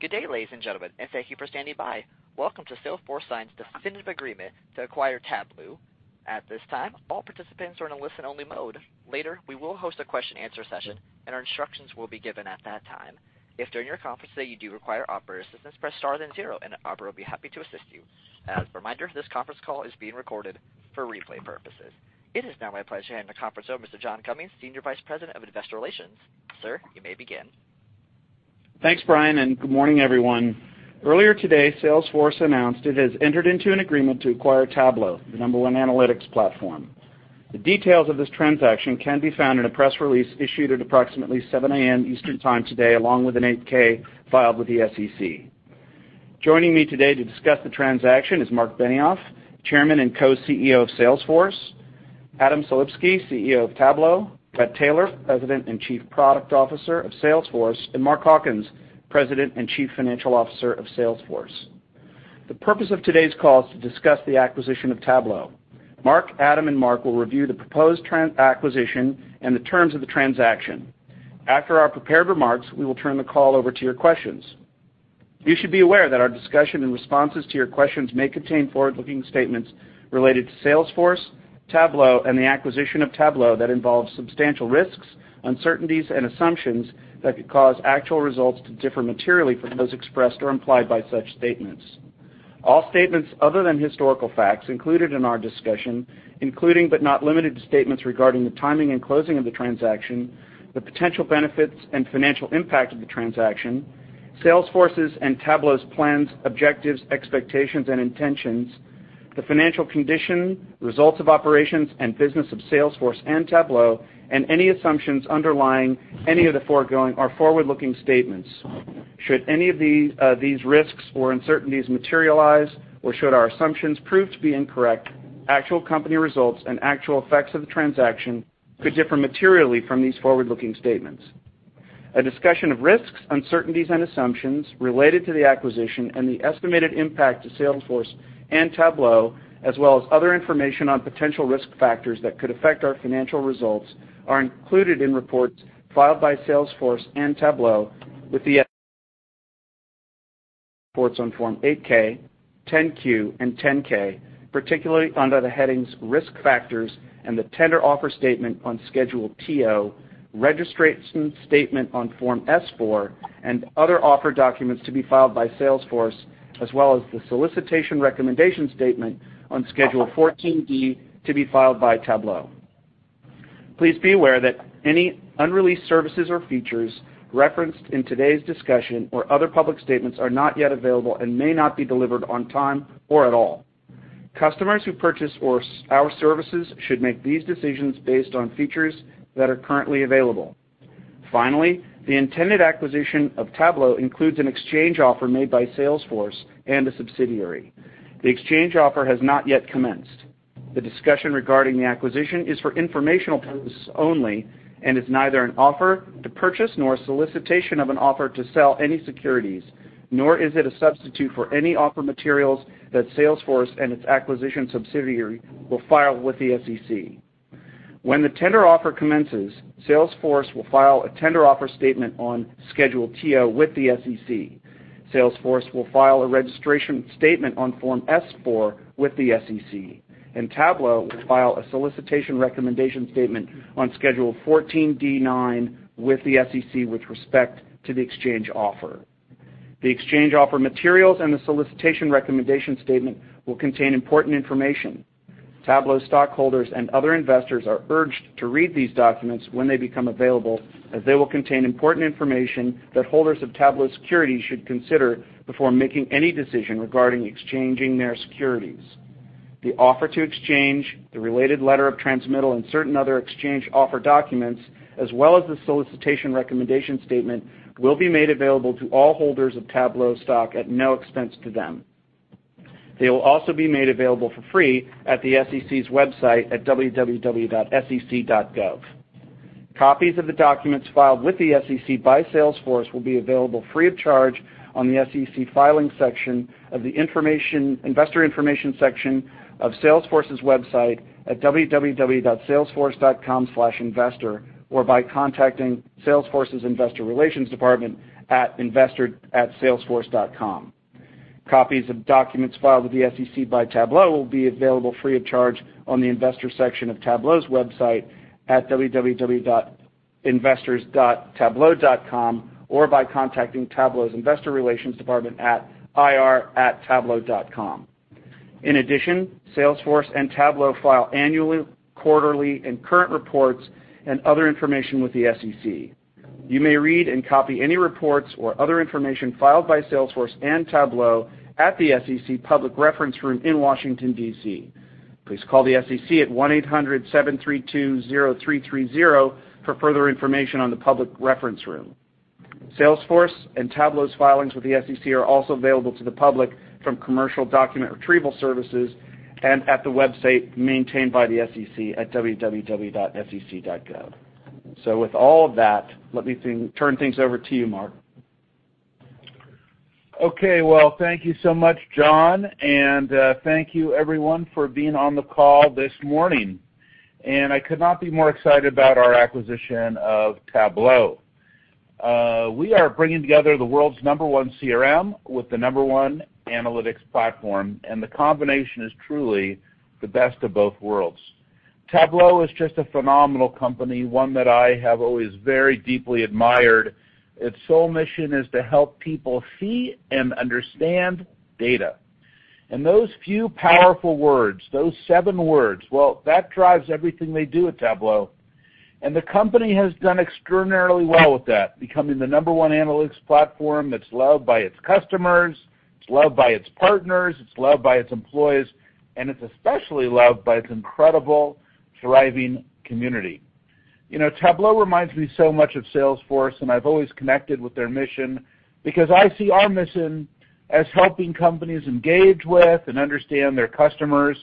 Good day, ladies and gentlemen. Thank you for standing by. Welcome to Salesforce signs definitive agreement to acquire Tableau. At this time, all participants are in a listen-only mode. Later, we will host a question-answer session, and our instructions will be given at that time. If, during your conference today, you do require operator assistance, press star then zero, and an operator will be happy to assist you. As a reminder, this conference call is being recorded for replay purposes. It is now my pleasure to hand the conference over to John Cummings, Senior Vice President of Investor Relations. Sir, you may begin. Thanks, Brian. Good morning, everyone. Earlier today, Salesforce announced it has entered into an agreement to acquire Tableau, the number one analytics platform. The details of this transaction can be found in a press release issued at approximately 7:00 A.M. Eastern Time today, along with an 8-K filed with the SEC. Joining me today to discuss the transaction is Marc Benioff, Chairman and Co-CEO of Salesforce, Adam Selipsky, CEO of Tableau, Bret Taylor, President and Chief Product Officer of Salesforce, and Mark Hawkins, President and Chief Financial Officer of Salesforce. The purpose of today's call is to discuss the acquisition of Tableau. Mark, Adam, and Mark will review the proposed acquisition and the terms of the transaction. After our prepared remarks, we will turn the call over to your questions. You should be aware that our discussion and responses to your questions may contain forward-looking statements related to Salesforce, Tableau, and the acquisition of Tableau that involve substantial risks, uncertainties, and assumptions that could cause actual results to differ materially from those expressed or implied by such statements. All statements other than historical facts included in our discussion, including but not limited to statements regarding the timing and closing of the transaction, the potential benefits and financial impact of the transaction, Salesforce's and Tableau's plans, objectives, expectations, and intentions, the financial condition, results of operations, and business of Salesforce and Tableau, and any assumptions underlying any of the foregoing are forward-looking statements. Should any of these risks or uncertainties materialize, or should our assumptions prove to be incorrect, actual company results and actual effects of the transaction could differ materially from these forward-looking statements. A discussion of risks, uncertainties, and assumptions related to the acquisition and the estimated impact to Salesforce and Tableau, as well as other information on potential risk factors that could affect our financial results, are included in reports filed by Salesforce and Tableau with the SEC. Reports on Form 8-K, 10-Q, and 10-K, particularly under the headings Risk Factors and the Tender Offer Statement on Schedule TO, Registration Statement on Form S-4, and other offer documents to be filed by Salesforce, as well as the Solicitation Recommendation Statement on Schedule 14D-9 to be filed by Tableau. Please be aware that any unreleased services or features referenced in today's discussion or other public statements are not yet available and may not be delivered on time or at all. Customers who purchase our services should make these decisions based on features that are currently available. The intended acquisition of Tableau includes an exchange offer made by Salesforce and a subsidiary. The exchange offer has not yet commenced. The discussion regarding the acquisition is for informational purposes only and is neither an offer to purchase nor a solicitation of an offer to sell any securities, nor is it a substitute for any offer materials that Salesforce and its acquisition subsidiary will file with the SEC. When the tender offer commences, Salesforce will file a tender offer statement on Schedule TO with the SEC. Salesforce will file a registration statement on Form S-4 with the SEC, and Tableau will file a solicitation recommendation statement on Schedule 14D-9 with the SEC with respect to the exchange offer. The exchange offer materials and the solicitation recommendation statement will contain important information. Tableau stockholders and other investors are urged to read these documents when they become available, as they will contain important information that holders of Tableau securities should consider before making any decision regarding exchanging their securities. The offer to exchange, the related letter of transmittal, and certain other exchange offer documents, as well as the solicitation recommendation statement, will be made available to all holders of Tableau stock at no expense to them. They will also be made available for free at the SEC's website at www.sec.gov. Copies of the documents filed with the SEC by Salesforce will be available free of charge on the SEC Filings section of the Investor Information section of Salesforce's website at www.salesforce.com/investor, or by contacting Salesforce's investor relations department at investor@salesforce.com. Copies of documents filed with the SEC by Tableau will be available free of charge on the investor section of Tableau's website at www.investors.tableau.com or by contacting Tableau's investor relations department at ir@tableau.com. In addition, Salesforce and Tableau file annual, quarterly, and current reports and other information with the SEC. You may read and copy any reports or other information filed by Salesforce and Tableau at the SEC Public Reference Room in Washington, D.C. Please call the SEC at 1-800-732-0330 for further information on the Public Reference Room. Salesforce and Tableau's filings with the SEC are also available to the public from commercial document retrieval services and at the website maintained by the SEC at www.sec.gov. With all of that, let me turn things over to you, Mark. Thank you so much, John, and thank you everyone for being on the call this morning. I could not be more excited about our acquisition of Tableau. We are bringing together the world's number one CRM with the number one analytics platform, and the combination is truly the best of both worlds. Tableau is just a phenomenal company, one that I have always very deeply admired. Its sole mission is to help people see and understand data. Those few powerful words, those seven words, well, that drives everything they do at Tableau. The company has done extraordinarily well with that, becoming the number one analytics platform that's loved by its customers, it's loved by its partners, it's loved by its employees, and it's especially loved by its incredible, thriving community. Tableau reminds me so much of Salesforce. I've always connected with their mission because I see our mission as helping companies engage with and understand their customers.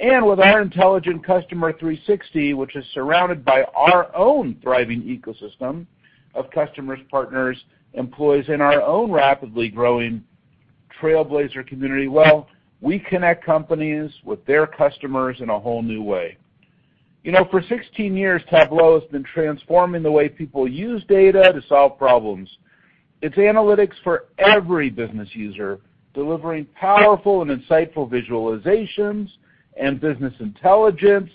With our intelligent Customer 360, which is surrounded by our own thriving ecosystem of customers, partners, employees, and our own rapidly growing Trailblazer Community, well, we connect companies with their customers in a whole new way. For 16 years, Tableau has been transforming the way people use data to solve problems. It's analytics for every business user, delivering powerful and insightful visualizations and business intelligence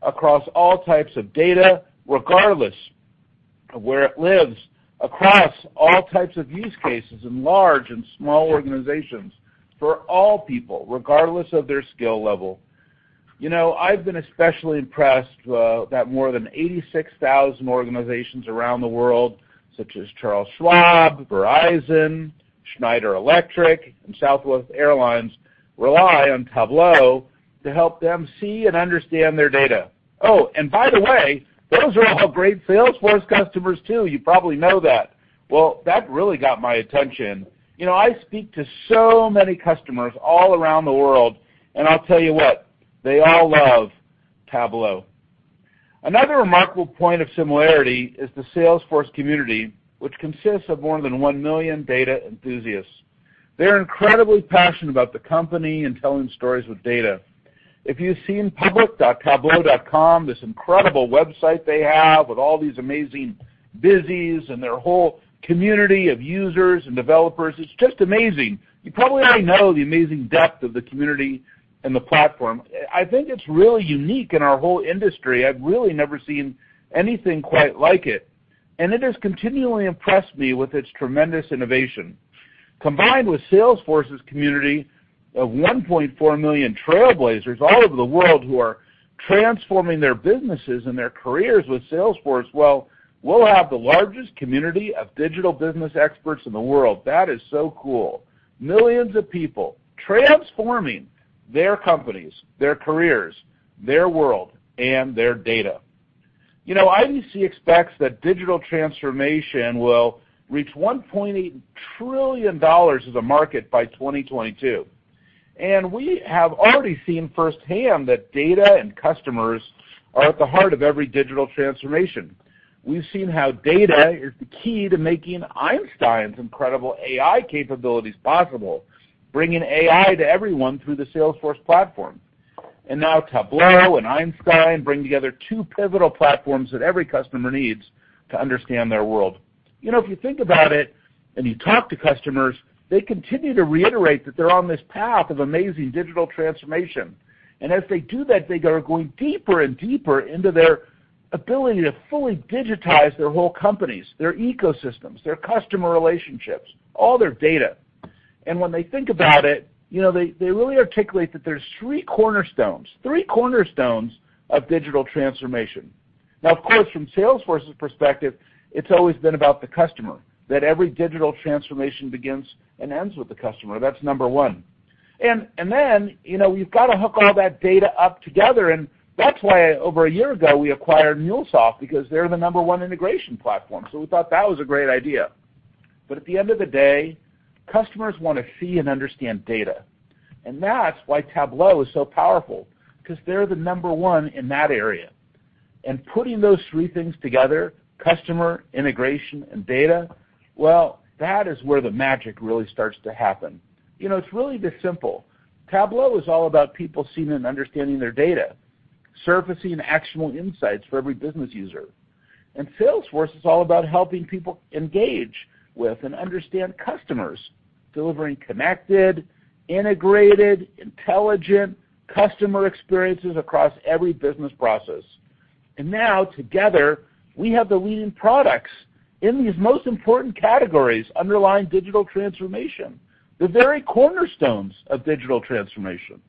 across all types of data, regardless of where it lives, across all types of use cases, in large and small organizations, for all people, regardless of their skill level. I've been especially impressed that more than 86,000 organizations around the world, such as Charles Schwab, Verizon, Schneider Electric, and Southwest Airlines, rely on Tableau to help them see and understand their data. By the way, those are all great Salesforce customers too. You probably know that. Well, that really got my attention. I speak to so many customers all around the world. I'll tell you what, they all love Tableau. Another remarkable point of similarity is the Salesforce Community, which consists of more than 1 million data enthusiasts. They're incredibly passionate about the company and telling stories with data. If you've seen public.tableau.com, this incredible website they have with all these amazing vizies and their whole community of users and developers, it's just amazing. You probably already know the amazing depth of the community and the platform. I think it's really unique in our whole industry. I've really never seen anything quite like it. It has continually impressed me with its tremendous innovation. Combined with Salesforce's Community of 1.4 million Trailblazers all over the world who are transforming their businesses and their careers with Salesforce, well, we'll have the largest community of digital business experts in the world. That is so cool. Millions of people transforming their companies, their careers, their world, and their data. IDC expects that digital transformation will reach $1.8 trillion as a market by 2022. We have already seen firsthand that data and customers are at the heart of every digital transformation. We've seen how data is the key to making Einstein's incredible AI capabilities possible, bringing AI to everyone through the Salesforce platform. Now Tableau and Einstein bring together two pivotal platforms that every customer needs to understand their world. If you think about it, you talk to customers, they continue to reiterate that they're on this path of amazing digital transformation. As they do that, they are going deeper and deeper into their ability to fully digitize their whole companies, their ecosystems, their customer relationships, all their data. When they think about it, they really articulate that there's three cornerstones of digital transformation. Now, of course, from Salesforce's perspective, it's always been about the customer, that every digital transformation begins and ends with the customer. That's number 1. Then, you've got to hook all that data up together, and that's why over a year ago, we acquired MuleSoft because they're the number 1 integration platform. We thought that was a great idea. At the end of the day, customers want to see and understand data. That's why Tableau is so powerful, because they're the number one in that area. Putting those three things together, customer, integration, and data, well, that is where the magic really starts to happen. It's really this simple. Tableau is all about people seeing and understanding their data, surfacing actionable insights for every business user. Salesforce is all about helping people engage with and understand customers, delivering connected, integrated, intelligent customer experiences across every business process. Now together, we have the leading products in these most important categories underlying digital transformation, the very cornerstones of digital transformation.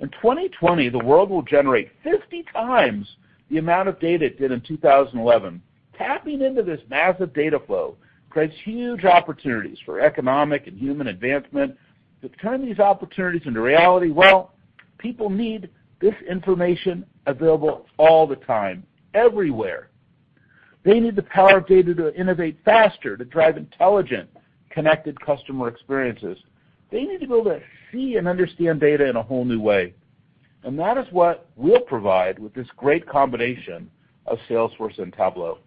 In 2020, the world will generate 50 times the amount of data it did in 2011. Tapping into this massive data flow creates huge opportunities for economic and human advancement. To turn these opportunities into reality, well, people need this information available all the time, everywhere. They need the power of data to innovate faster, to drive intelligent, connected customer experiences. They need to be able to see and understand data in a whole new way. That is what we'll provide with this great combination of Salesforce and Tableau.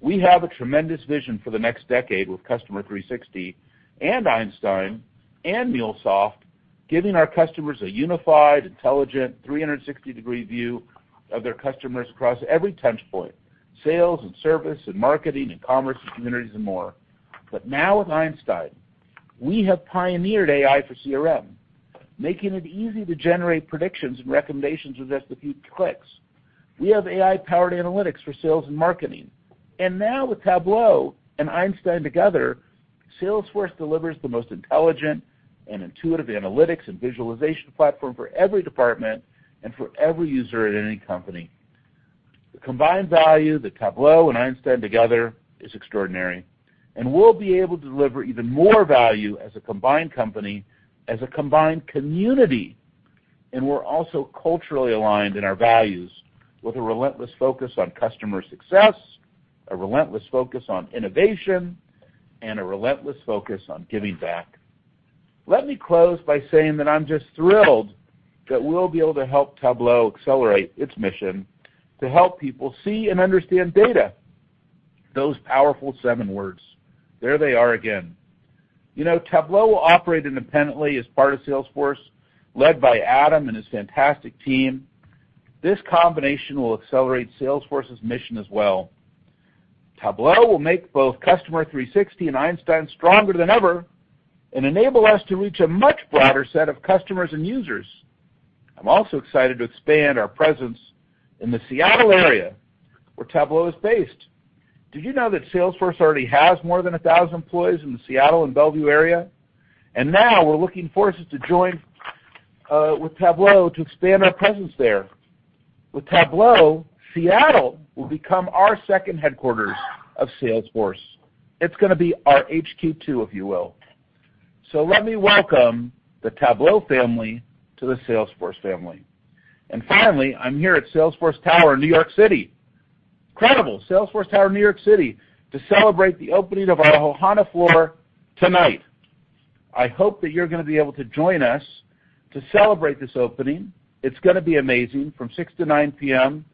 We have a tremendous vision for the next decade with Customer 360 and Einstein and MuleSoft, giving our customers a unified, intelligent, 360-degree view of their customers across every touch point, sales and service and marketing and commerce and communities and more. Now with Einstein, we have pioneered AI for CRM, making it easy to generate predictions and recommendations with just a few clicks. We have AI-powered analytics for sales and marketing. Now with Tableau and Einstein together, Salesforce delivers the most intelligent and intuitive analytics and visualization platform for every department and for every user at any company. The combined value that Tableau and Einstein together is extraordinary, and we'll be able to deliver even more value as a combined company, as a combined community. We're also culturally aligned in our values with a relentless focus on customer success, a relentless focus on innovation, and a relentless focus on giving back. Let me close by saying that I'm just thrilled that we'll be able to help Tableau accelerate its mission to help people see and understand data. Those powerful seven words. There they are again. Tableau will operate independently as part of Salesforce, led by Adam and his fantastic team. This combination will accelerate Salesforce's mission as well. Tableau will make both Customer 360 and Einstein stronger than ever and enable us to reach a much broader set of customers and users. I'm also excited to expand our presence in the Seattle area where Tableau is based. Did you know that Salesforce already has more than 1,000 employees in the Seattle and Bellevue area? Now we're looking for us to join with Tableau to expand our presence there. With Tableau, Seattle will become our second headquarters of Salesforce. It's going to be our HQ 2, if you will. Let me welcome the Tableau family to the Salesforce family. Finally, I'm here at Salesforce Tower in New York City. Incredible. Salesforce Tower in New York City to celebrate the opening of our Ohana floor tonight. I hope that you're going to be able to join us to celebrate this opening. It's going to be amazing. From 6:00 to 9:00 P.M.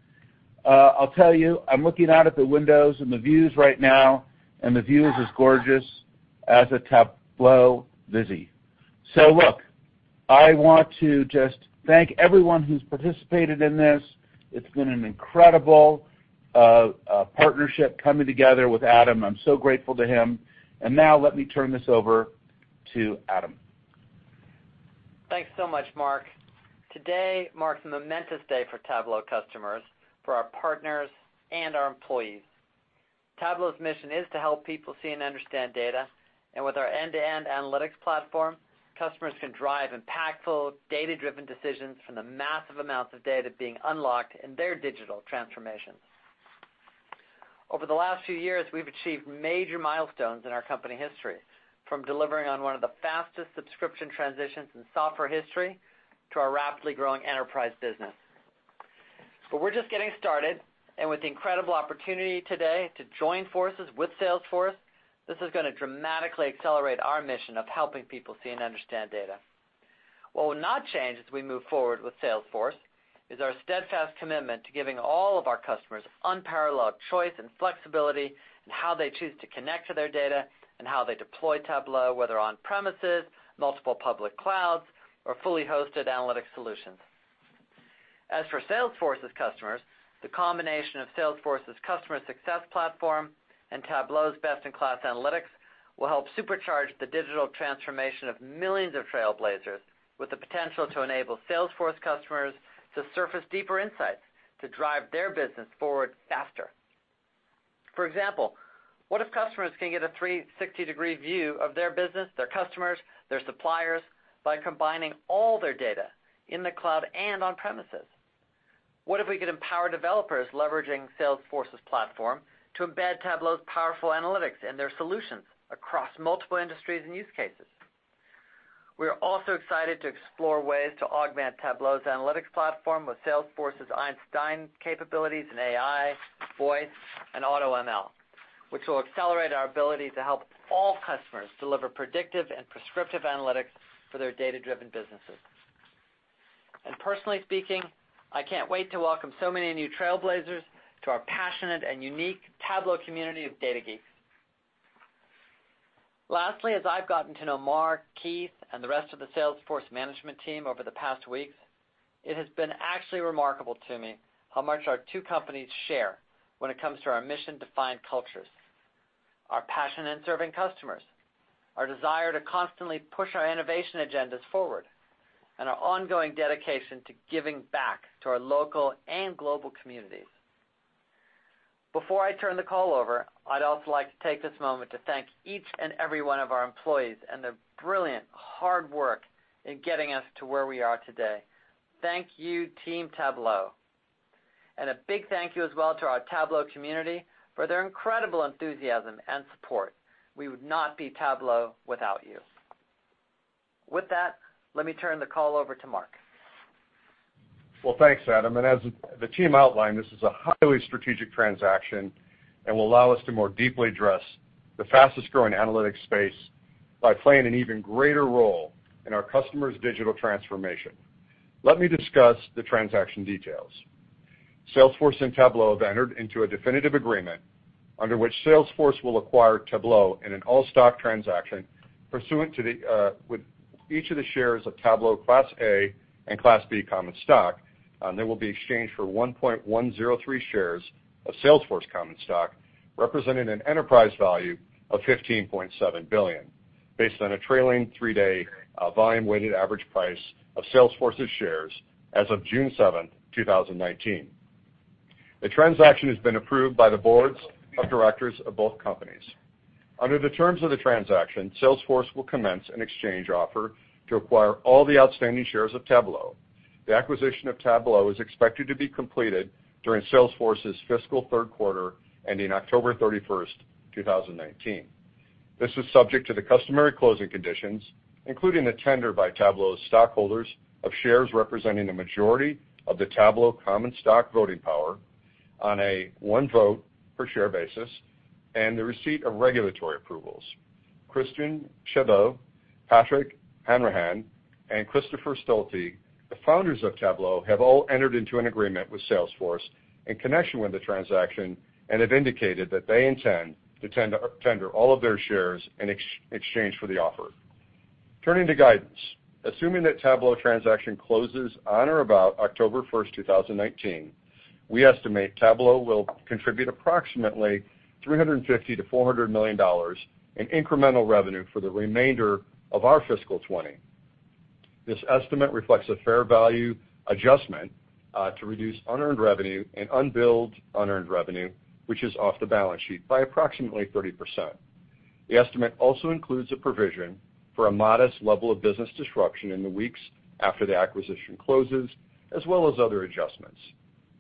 I'll tell you, I'm looking out at the windows and the views right now, and the view is as gorgeous as a Tableau viz. look, I want to just thank everyone who's participated in this. It's been an incredible partnership coming together with Adam. I'm so grateful to him. Now let me turn this over to Adam. Thanks so much, Marc. Today marks a momentous day for Tableau customers, for our partners and our employees. Tableau's mission is to help people see and understand data. With our end-to-end analytics platform, customers can drive impactful data-driven decisions from the massive amounts of data being unlocked in their digital transformation. Over the last few years, we've achieved major milestones in our company history, from delivering on one of the fastest subscription transitions in software history to our rapidly growing enterprise business. We're just getting started. With the incredible opportunity today to join forces with Salesforce, this is going to dramatically accelerate our mission of helping people see and understand data. What will not change as we move forward with Salesforce is our steadfast commitment to giving all of our customers unparalleled choice and flexibility in how they choose to connect to their data and how they deploy Tableau, whether on premises, multiple public clouds, or fully hosted analytic solutions. As for Salesforce's customers, the combination of Salesforce's customer success platform and Tableau's best-in-class analytics will help supercharge the digital transformation of millions of Trailblazers with the potential to enable Salesforce customers to surface deeper insights to drive their business forward faster. For example, what if customers can get a 360-degree view of their business, their customers, their suppliers by combining all their data in the cloud and on premises? What if we could empower developers leveraging Salesforce's platform to embed Tableau's powerful analytics in their solutions across multiple industries and use cases? We are also excited to explore ways to augment Tableau's analytics platform with Salesforce's Einstein capabilities in AI, voice, and AutoML, which will accelerate our ability to help all customers deliver predictive and prescriptive analytics for their data-driven businesses. Personally speaking, I can't wait to welcome so many new Trailblazers to our passionate and unique Tableau community of data geeks. Lastly, as I've gotten to know Marc, Keith, and the rest of the Salesforce management team over the past weeks, it has been actually remarkable to me how much our two companies share when it comes to our mission-defined cultures, our passion in serving customers, our desire to constantly push our innovation agendas forward, and our ongoing dedication to giving back to our local and global communities. Before I turn the call over, I'd also like to take this moment to thank each and every one of our employees and their brilliant hard work in getting us to where we are today. Thank you, Team Tableau. A big thank you as well to our Tableau community for their incredible enthusiasm and support. We would not be Tableau without you. With that, let me turn the call over to Marc. Well, thanks, Adam. As the team outlined, this is a highly strategic transaction and will allow us to more deeply address the fastest-growing analytics space By playing an even greater role in our customers' digital transformation. Let me discuss the transaction details. Salesforce and Tableau have entered into a definitive agreement under which Salesforce will acquire Tableau in an all-stock transaction, pursuant to the, with each of the shares of Tableau Class A and Class B common stock. They will be exchanged for 1.103 shares of Salesforce common stock, representing an enterprise value of $15.7 billion, based on a trailing three-day volume weighted average price of Salesforce's shares as of June 7th, 2019. The transaction has been approved by the boards of directors of both companies. Under the terms of the transaction, Salesforce will commence an exchange offer to acquire all the outstanding shares of Tableau. The acquisition of Tableau is expected to be completed during Salesforce's fiscal third quarter, ending October 31st, 2019. This is subject to the customary closing conditions, including the tender by Tableau's stockholders of shares representing a majority of the Tableau common stock voting power on a one-vote per share basis, and the receipt of regulatory approvals. Christian Chabot, Pat Hanrahan, and Christopher Stolte, the founders of Tableau, have all entered into an agreement with Salesforce in connection with the transaction and have indicated that they intend to tender all of their shares in exchange for the offer. Turning to guidance. Assuming that Tableau transaction closes on or about October 1st, 2019, we estimate Tableau will contribute approximately $350 million-$400 million in incremental revenue for the remainder of our FY 2020. This estimate reflects a fair value adjustment to reduce unearned revenue and unbilled unearned revenue, which is off the balance sheet by approximately 30%. The estimate also includes a provision for a modest level of business disruption in the weeks after the acquisition closes, as well as other adjustments.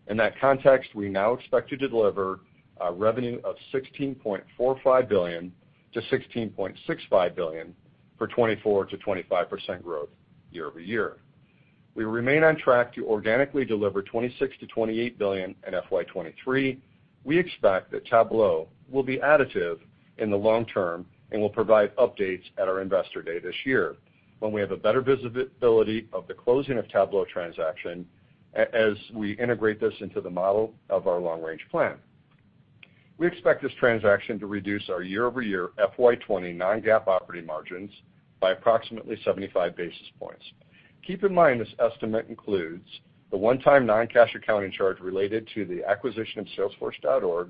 In that context, we now expect to deliver a revenue of $16.45 billion-$16.65 billion for 24%-25% growth year-over-year. We remain on track to organically deliver $26 billion-$28 billion in FY 2023. We expect that Tableau will be additive in the long term and will provide updates at our Investor Day this year, when we have a better visibility of the closing of Tableau transaction as we integrate this into the model of our long-range plan. We expect this transaction to reduce our year-over-year FY 2020 non-GAAP operating margins by approximately 75 basis points. Keep in mind, this estimate includes the one-time non-cash accounting charge related to the acquisition of Salesforce.org,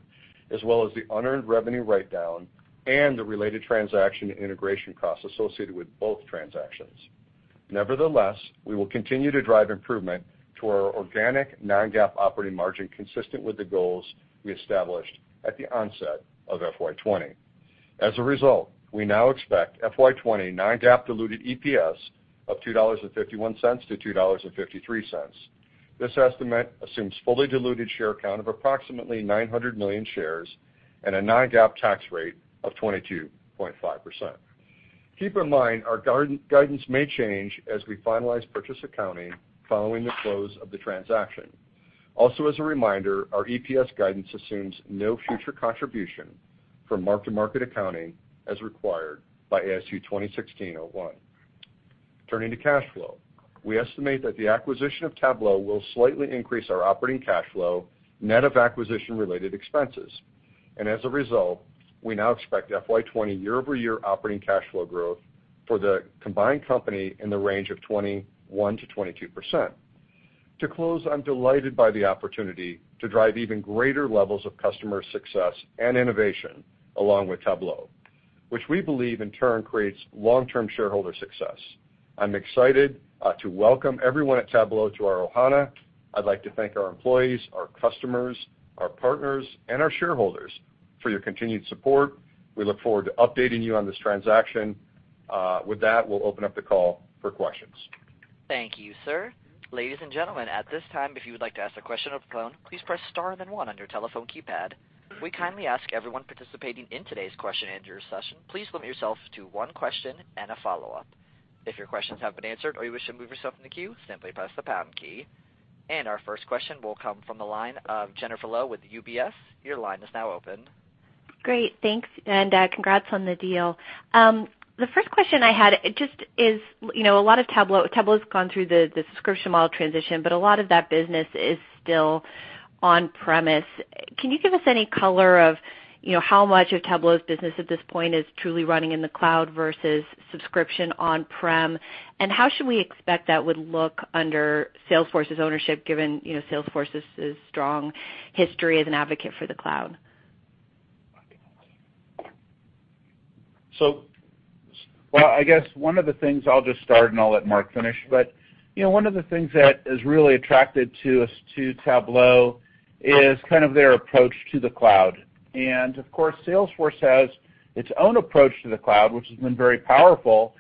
as well as the unearned revenue write-down and the related transaction integration costs associated with both transactions. Nevertheless, we will continue to drive improvement to our organic non-GAAP operating margin consistent with the goals we established at the onset of FY 2020. As a result, we now expect FY 2020 non-GAAP diluted EPS of $2.51-$2.53. This estimate assumes fully diluted share count of approximately 900 million shares and a non-GAAP tax rate of 22.5%. Keep in mind, our guidance may change as we finalize purchase accounting following the close of the transaction. Also, as a reminder, our EPS guidance assumes no future contribution from mark-to-market accounting as required by ASU 2016-01. Turning to cash flow. We estimate that the acquisition of Tableau will slightly increase our operating cash flow, net of acquisition-related expenses. As a result, we now expect FY 2020 year-over-year operating cash flow growth for the combined company in the range of 21%-22%. To close, I'm delighted by the opportunity to drive even greater levels of customer success and innovation along with Tableau, which we believe in turn creates long-term shareholder success. I'm excited to welcome everyone at Tableau to our Ohana. I'd like to thank our employees, our customers, our partners, and our shareholders for your continued support. We look forward to updating you on this transaction. With that, we'll open up the call for questions. Thank you, sir. Ladies and gentlemen, at this time, if you would like to ask a question over the phone, please press star and then one on your telephone keypad. We kindly ask everyone participating in today's question and answer session, please limit yourself to one question and a follow-up. If your questions have been answered or you wish to remove yourself from the queue, simply press the pound key. Our first question will come from the line of Jennifer Lowe with UBS. Your line is now open. Great. Thanks, congrats on the deal. The first question I had just is, a lot of Tableau's gone through the subscription model transition, but a lot of that business is still on-premise. Can you give us any color of how much of Tableau's business at this point is truly running in the cloud versus subscription on-prem? How should we expect that would look under Salesforce's ownership, given Salesforce's strong history as an advocate for the cloud? Well, I guess one of the things, I'll just start and I'll let Mark finish. One of the things that has really attracted to us to Tableau is kind of their approach to the cloud. Of course, Salesforce has its own approach to the cloud, which has been very powerful.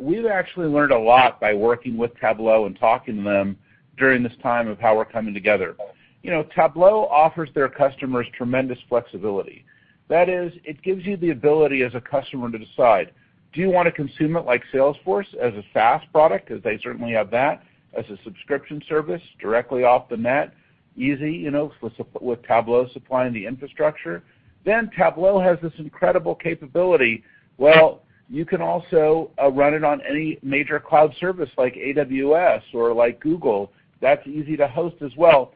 We've actually learned a lot by working with Tableau and talking to them during this time of how we're coming together. Tableau offers their customers tremendous flexibility. That is, it gives you the ability as a customer to decide, do you want to consume it like Salesforce as a SaaS product? They certainly have that as a subscription service directly off the net. easy, with Tableau supplying the infrastructure. Tableau has this incredible capability. Well, you can also run it on any major cloud service like AWS or like Google. That's easy to host as well.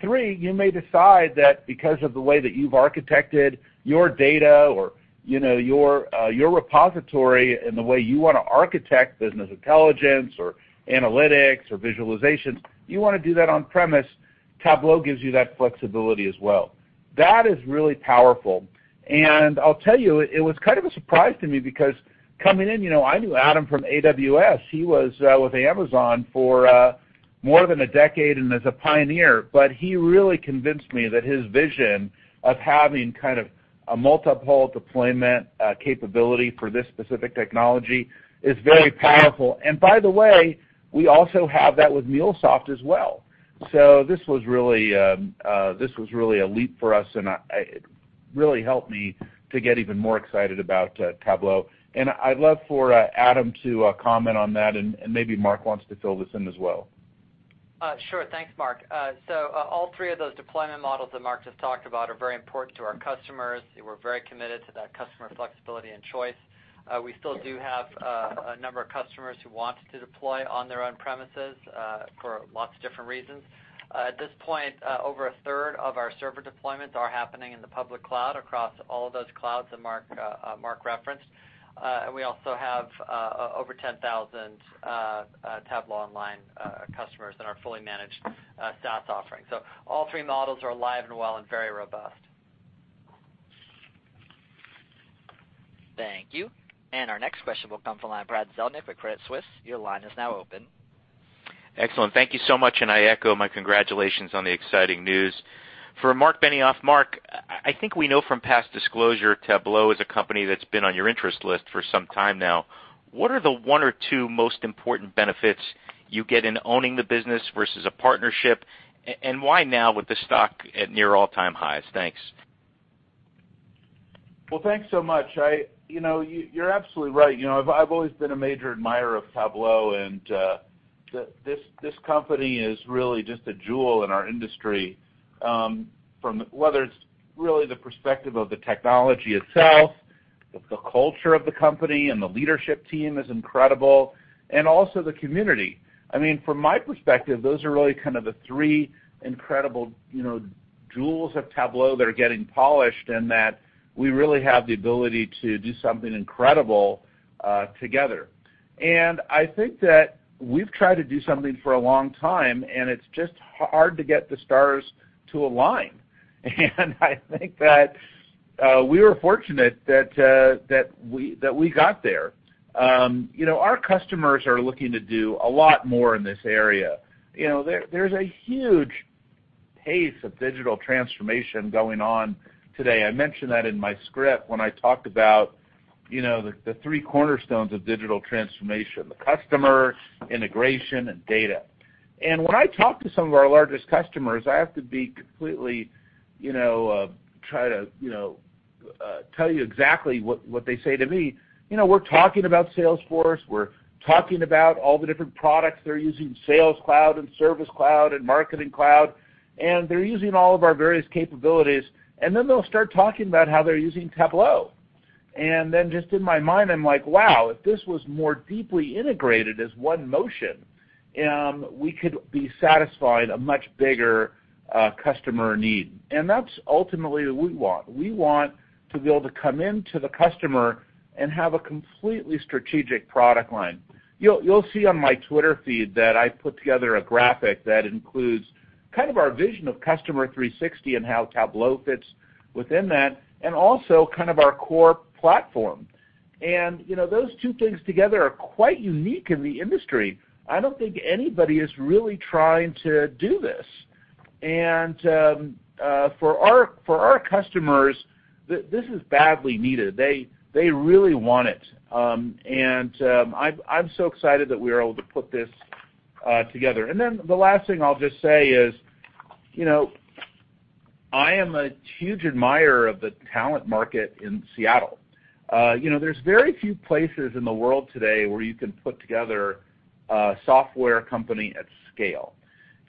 Three, you may decide that because of the way that you've architected your data or your repository and the way you want to architect business intelligence or analytics or visualizations, you want to do that on-premise, Tableau gives you that flexibility as well. That is really powerful. I'll tell you, it was kind of a surprise to me because coming in, I knew Adam from AWS. He was with Amazon for more than a decade and is a pioneer. He really convinced me that his vision of having kind of a multi-pole deployment capability for this specific technology is very powerful. By the way, we also have that with MuleSoft as well. This was really a leap for us, and it really helped me to get even more excited about Tableau. I'd love for Adam to comment on that, and maybe Mark wants to fill this in as well. Thanks, Mark. All three of those deployment models that Mark just talked about are very important to our customers. We're very committed to that customer flexibility and choice. We still do have a number of customers who want to deploy on their own premises, for lots of different reasons. At this point, over a third of our server deployments are happening in the public cloud across all of those clouds that Mark referenced. We also have over 10,000 Tableau Cloud customers that are fully managed SaaS offerings. All three models are alive and well and very robust. Thank you. Our next question will come from the line of Brad Zelnick with Credit Suisse. Your line is now open. Excellent. Thank you so much. I echo my congratulations on the exciting news. For Marc Benioff, Mark, I think we know from past disclosure, Tableau is a company that's been on your interest list for some time now. What are the one or two most important benefits you get in owning the business versus a partnership, and why now with the stock at near all-time highs? Thanks. Well, thanks so much. You're absolutely right. I've always been a major admirer of Tableau. This company is really just a jewel in our industry, from whether it's really the perspective of the technology itself, the culture of the company, the leadership team is incredible, also the community. From my perspective, those are really kind of the three incredible jewels of Tableau that are getting polished, that we really have the ability to do something incredible together. I think that we've tried to do something for a long time, it's just hard to get the stars to align. I think that we were fortunate that we got there. Our customers are looking to do a lot more in this area. There's a huge pace of digital transformation going on today. I mentioned that in my script when I talked about the three cornerstones of digital transformation, the customer, integration, and data. When I talk to some of our largest customers, I have to try to tell you exactly what they say to me. We're talking about Salesforce. We're talking about all the different products they're using, Sales Cloud and Service Cloud and Marketing Cloud, and they're using all of our various capabilities. Then they'll start talking about how they're using Tableau. Just in my mind, I'm like, wow, if this was more deeply integrated as one motion, we could be satisfying a much bigger customer need. That's ultimately what we want. We want to be able to come in to the customer and have a completely strategic product line. You'll see on my Twitter feed that I put together a graphic that includes kind of our vision of Customer 360 and how Tableau fits within that, and also kind of our core platform. Those two things together are quite unique in the industry. I don't think anybody is really trying to do this. For our customers, this is badly needed. They really want it. I'm so excited that we were able to put this together. The last thing I'll just say is, I am a huge admirer of the talent market in Seattle. There's very few places in the world today where you can put together a software company at scale.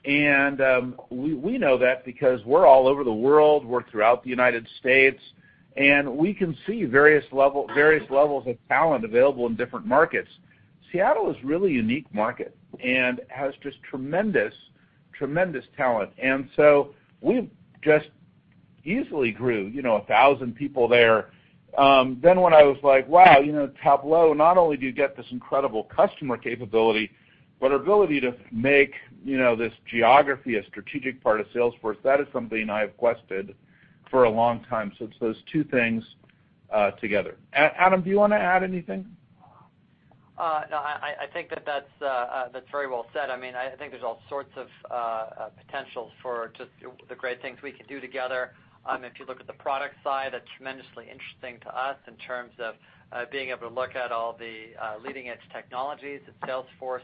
We know that because we're all over the world, we're throughout the U.S., and we can see various levels of talent available in different markets. Seattle is a really unique market and has just tremendous talent. We just easily grew 1,000 people there. When I was like, wow, Tableau, not only do you get this incredible customer capability, but ability to make this geography a strategic part of Salesforce, that is something I have quested for a long time. It's those two things together. Adam, do you want to add anything? No, I think that's very well said. I think there's all sorts of potentials for just the great things we can do together. If you look at the product side, that's tremendously interesting to us in terms of being able to look at all the leading-edge technologies that Salesforce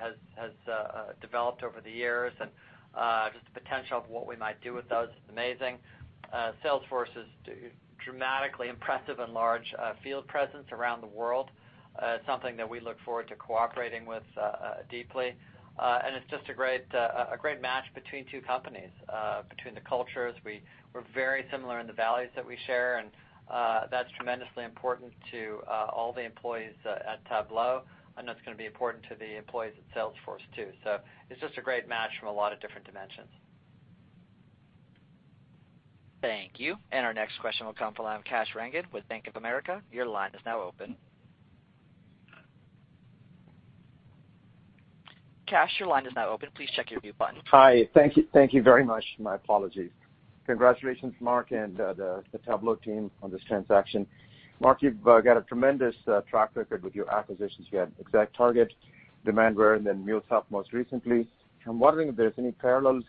has developed over the years, and just the potential of what we might do with those is amazing. Salesforce's dramatically impressive and large field presence around the world is something that we look forward to cooperating with deeply. It's just a great match between two companies, between the cultures. We're very similar in the values that we share, and that's tremendously important to all the employees at Tableau, and that's going to be important to the employees at Salesforce, too. It's just a great match from a lot of different dimensions. Thank you. Our next question will come from Kash Rangan with Bank of America. Your line is now open. Kash, your line is now open. Please check your mute button. Hi. Thank you very much. My apologies. Congratulations, Marc, and the Tableau team on this transaction. Marc, you've got a tremendous track record with your acquisitions. You had ExactTarget, Demandware, and then MuleSoft most recently. I'm wondering if there's any parallels,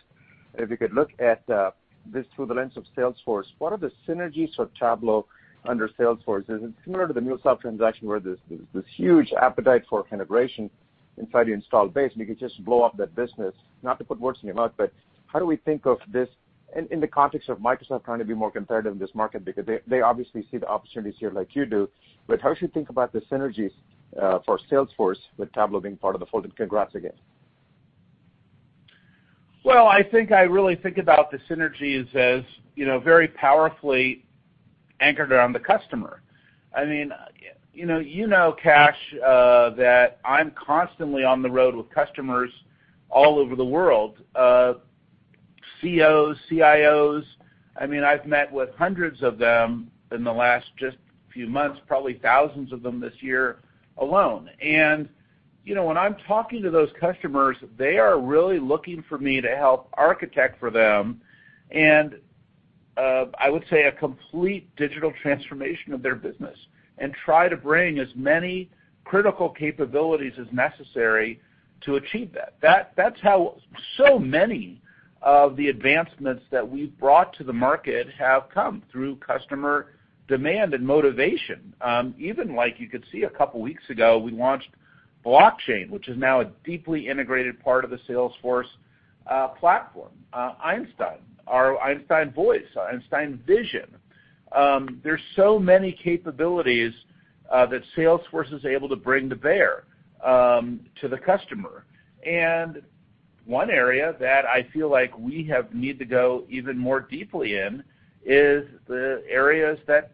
if you could look at this through the lens of Salesforce, what are the synergies for Tableau under Salesforce? Is it similar to the MuleSoft transaction where there's this huge appetite for integration inside the installed base, and you could just blow up that business? Not to put words in your mouth, but how do we think of this in the context of Microsoft trying to be more competitive in this market? Because they obviously see the opportunities here like you do, but how should you think about the synergies for Salesforce with Tableau being part of the fold? Congrats again. Well, I think I really think about the synergies as very powerfully anchored around the customer. You know, Kash, that I'm constantly on the road with customers all over the world. CEOs, CIOs, I've met with hundreds of them in the last just few months, probably thousands of them this year alone. When I'm talking to those customers, they are really looking for me to help architect for them, and I would say a complete digital transformation of their business and try to bring as many critical capabilities as necessary to achieve that. That's how so many of the advancements that we've brought to the market have come, through customer demand and motivation. Even like you could see a couple of weeks ago, we launched Blockchain, which is now a deeply integrated part of the Salesforce platform. Einstein, our Einstein Voice, Einstein Vision. There's so many capabilities that Salesforce is able to bring to bear to the customer. One area that I feel like we have need to go even more deeply in is the areas that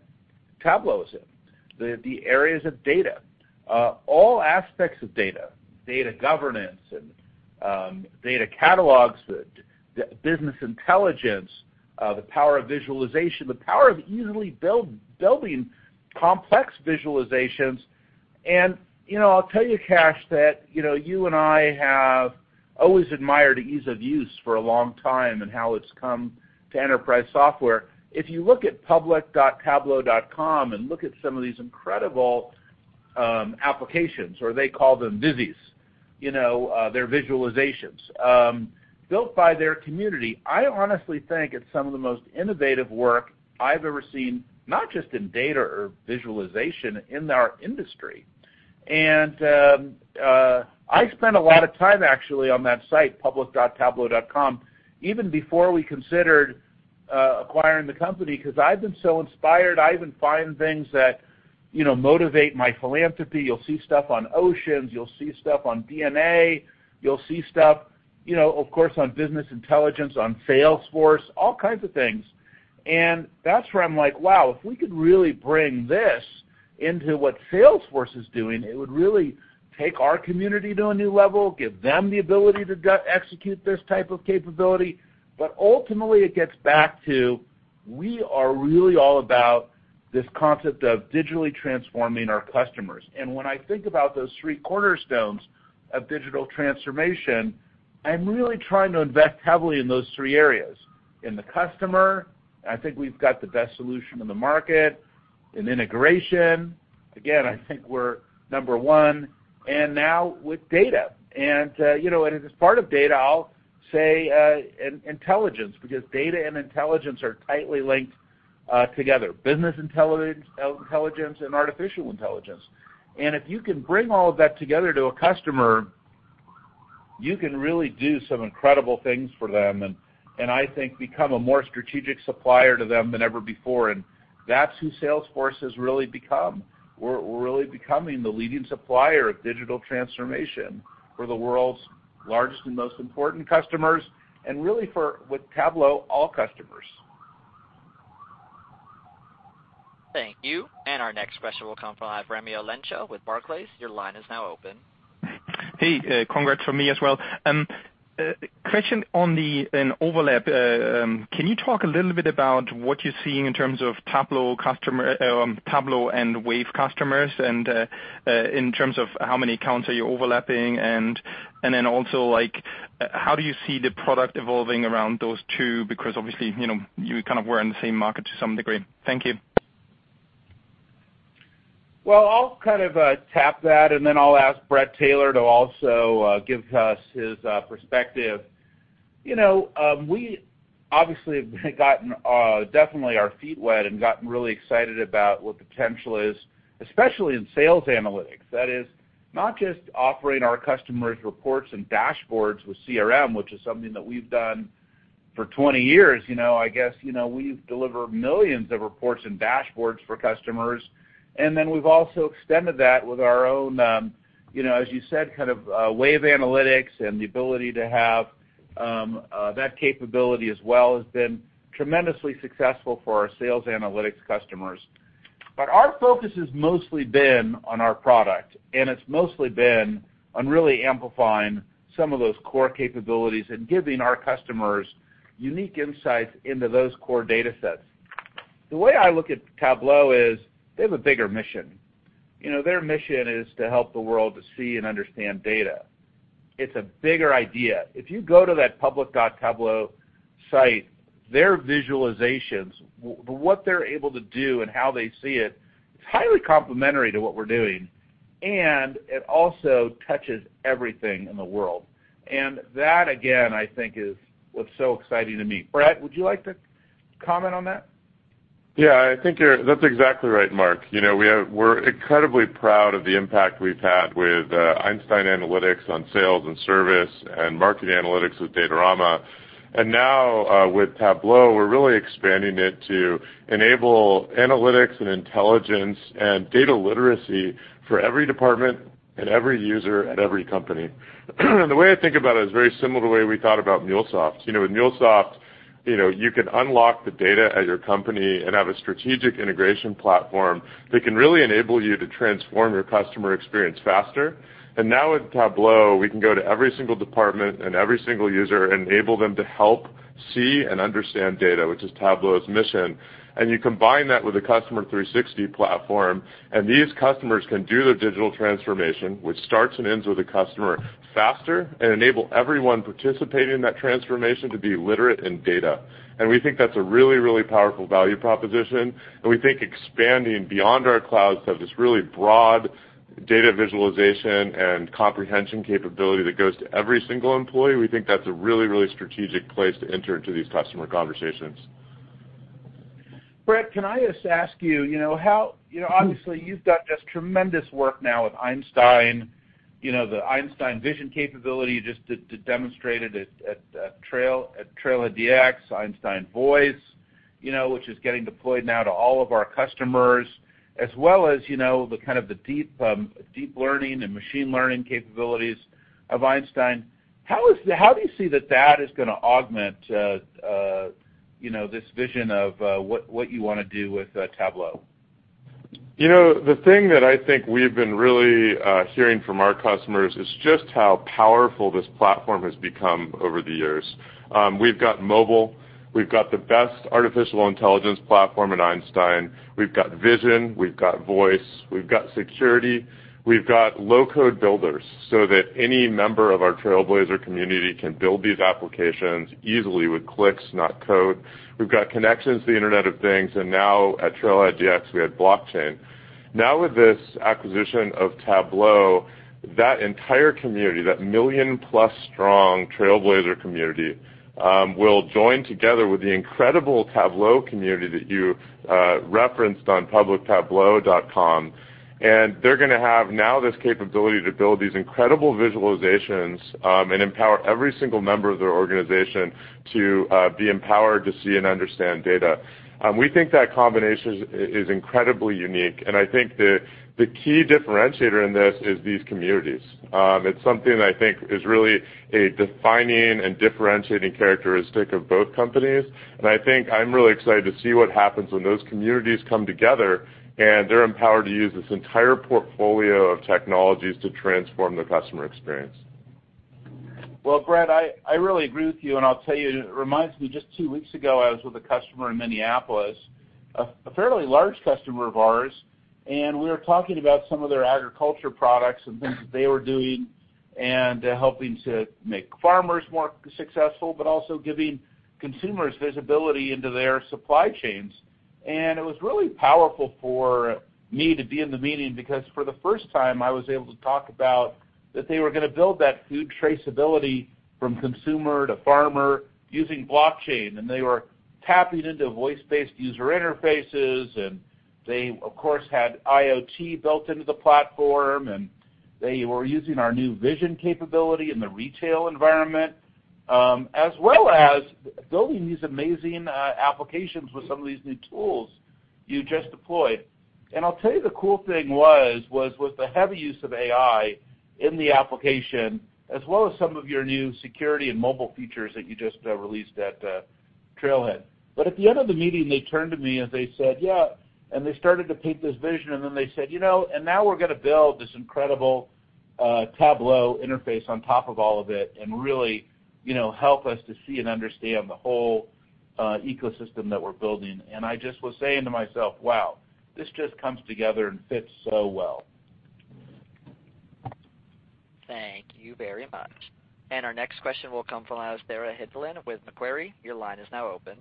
Tableau is in, the areas of data. All aspects of data governance and data catalogs, the business intelligence, the power of visualization, the power of easily building complex visualizations. I'll tell you, Kash, that you and I have always admired ease of use for a long time and how it's come to enterprise software. If you look at public.tableau.com and look at some of these incredible applications, or they call them vizies, their visualizations, built by their community, I honestly think it's some of the most innovative work I've ever seen, not just in data or visualization, in our industry. I spent a lot of time actually on that site, public.tableau.com, even before we considered acquiring the company because I've been so inspired. I even find things that motivate my philanthropy. You'll see stuff on oceans, you'll see stuff on DNA, you'll see stuff, of course, on business intelligence, on Salesforce, all kinds of things. That's where I'm like, wow, if we could really bring this into what Salesforce is doing, it would really take our community to a new level, give them the ability to execute this type of capability. Ultimately, it gets back to, we are really all about this concept of digitally transforming our customers. When I think about those three cornerstones of digital transformation, I'm really trying to invest heavily in those three areas. In the customer, I think we've got the best solution in the market. In integration, again, I think we're number one. Now with data. As part of data, I'll say intelligence, because data and intelligence are tightly linked together, business intelligence, and artificial intelligence. If you can bring all of that together to a customer, you can really do some incredible things for them, and I think become a more strategic supplier to them than ever before, and that's who Salesforce has really become. We're really becoming the leading supplier of digital transformation for the world's largest and most important customers, and really with Tableau, all customers. Thank you. Our next question will come from Raimo Lenschow with Barclays. Your line is now open. Hey, congrats from me as well. Question on the overlap. Can you talk a little bit about what you're seeing in terms of Tableau and Wave customers, in terms of how many accounts are you overlapping? Then also, how do you see the product evolving around those two? Because obviously, you kind of were in the same market to some degree. Thank you. Well, I'll kind of tap that, and then I'll ask Bret Taylor to also give us his perspective. We obviously have gotten definitely our feet wet and gotten really excited about what the potential is, especially in sales analytics. That is not just offering our customers reports and dashboards with CRM, which is something that we've done for 20 years. I guess, we've delivered millions of reports and dashboards for customers, and then we've also extended that with our own, as you said, kind of Wave analytics and the ability to have that capability as well has been tremendously successful for our sales analytics customers. Our focus has mostly been on our product, and it's mostly been on really amplifying some of those core capabilities and giving our customers unique insights into those core data sets. The way I look at Tableau is, they have a bigger mission. Their mission is to help the world to see and understand data. It's a bigger idea. If you go to that public.tableau site, their visualizations, what they're able to do and how they see it's highly complementary to what we're doing, and it also touches everything in the world. That, again, I think, is what's so exciting to me. Bret, would you like to comment on that? Yeah, I think that's exactly right, Mark. We're incredibly proud of the impact we've had with Einstein Analytics on sales and service and market analytics with Datorama. Now, with Tableau, we're really expanding it to enable analytics and intelligence and data literacy for every department and every user at every company. The way I think about it is very similar to the way we thought about MuleSoft. With MuleSoft, you can unlock the data at your company and have a strategic integration platform that can really enable you to transform your customer experience faster. Now with Tableau, we can go to every single department and every single user and enable them to help see and understand data, which is Tableau's mission. You combine that with the Customer 360 platform, and these customers can do their digital transformation, which starts and ends with the customer, faster, and enable everyone participating in that transformation to be literate in data. We think that's a really, really powerful value proposition, and we think expanding beyond our clouds to have this really broad data visualization and comprehension capability that goes to every single employee, we think that's a really, really strategic place to enter into these customer conversations. Bret, can I just ask you, obviously you've done just tremendous work now with Einstein, the Einstein Vision capability, just to demonstrate it at TrailblazerDX, Einstein Voice, which is getting deployed now to all of our customers, as well as the kind of the deep learning and machine learning capabilities of Einstein. How do you see that that is going to augment this vision of what you want to do with Tableau? The thing that I think we've been really hearing from our customers is just how powerful this platform has become over the years. We've got mobile, we've got the best artificial intelligence platform in Einstein. We've got Vision, we've got Voice, we've got security. We've got low-code builders, so that any member of our Trailblazer Community can build these applications easily with clicks, not code. We've got connections to the Internet of Things. Now at TrailblazerDX, we have blockchain. Now with this acquisition of Tableau, that entire community, that million-plus strong Trailblazer Community, will join together with the incredible Tableau community that you referenced on publictableau.com, they're going to have now this capability to build these incredible visualizations, and empower every single member of their organization to be empowered to see and understand data. We think that combination is incredibly unique, and I think the key differentiator in this is these communities. It's something that I think is really a defining and differentiating characteristic of both companies. I think I'm really excited to see what happens when those communities come together, they're empowered to use this entire portfolio of technologies to transform the customer experience. Well, Bret, I really agree with you, and I'll tell you, it reminds me, just two weeks ago, I was with a customer in Minneapolis, a fairly large customer of ours, and we were talking about some of their agriculture products and things that they were doing, and helping to make farmers more successful, but also giving consumers visibility into their supply chains. It was really powerful for me to be in the meeting because for the first time, I was able to talk about that they were going to build that food traceability from consumer to farmer using blockchain, they were tapping into voice-based user interfaces, they, of course, had IoT built into the platform, and they were using our new Vision capability in the retail environment, as well as building these amazing applications with some of these new tools you just deployed. I'll tell you the cool thing was, with the heavy use of AI in the application, as well as some of your new security and mobile features that you just released at Trailhead. At the end of the meeting, they turned to me and they said, "Yeah," and they started to paint this vision, then they said, "Now we're going to build this incredible Tableau interface on top of all of it and really help us to see and understand the whole ecosystem that we're building." I just was saying to myself, "Wow, this just comes together and fits so well. Thank you very much. Our next question will come from Sarah Hindlian-Bowler with Macquarie. Your line is now open.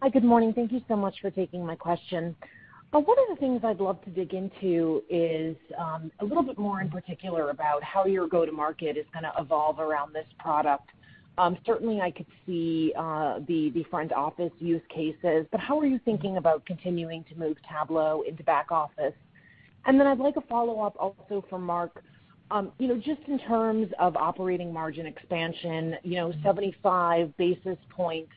Hi. Good morning. Thank you so much for taking my question. One of the things I'd love to dig into is a little bit more in particular about how your go-to market is going to evolve around this product. Certainly, I could see the front office use cases, but how are you thinking about continuing to move Tableau into back office? I'd like a follow-up also for Mark. Just in terms of operating margin expansion, 75 basis points